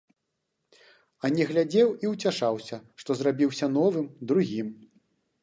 А не глядзеў і ўцяшаўся, што зрабіўся новым, другім.